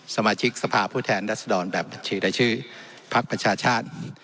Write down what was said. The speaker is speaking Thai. สมาชิกสภาพผู้แทนรัศดรแบบบัญชีรายชื่อพักประชาชาติ